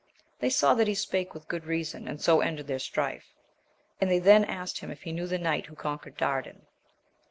They saw that he spake with good reason, and so ended their strife ; and they then asked him if he knew the knight who conquered Dardan.